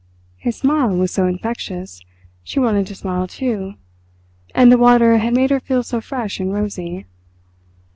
His smile was so infectious, she wanted to smile too—and the water had made her feel so fresh and rosy.